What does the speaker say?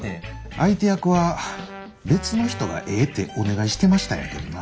相手役は別の人がええてお願いしてましたんやけどな。